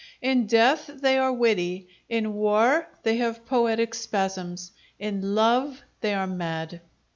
In death they are witty; in war they have poetic spasms; in love they are mad.